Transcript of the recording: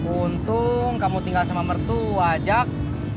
untung kamu tinggal sama mertua jak